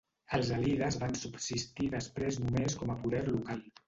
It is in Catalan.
Els alides van subsistir després només com a poder local.